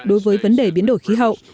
đối với vấn đề biến đổi khí hậu